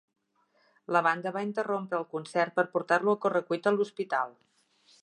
La banda va interrompre el concert per portar-lo a corre cuita a l'hospital.